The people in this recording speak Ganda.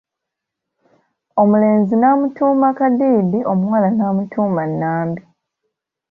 Omulenzi n'amutuuma Kadiidi omuwala n'amutuuma Nambi.